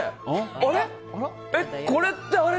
あれ？